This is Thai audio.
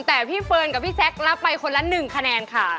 แต่พี่เฟิร์นกับพี่แซ็กรับไปคนละ๑คะแนนค่ะ